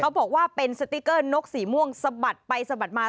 บอกว่าเป็นสติ๊กเกอร์นกสีม่วงสะบัดไปสะบัดมา